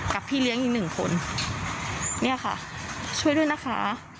พี่เลี้ยงอีกหนึ่งคนเนี่ยค่ะช่วยด้วยนะคะ